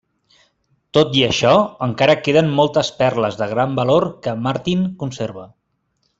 Tot i això, encara queden moltes perles de gran valor que Martin conserva.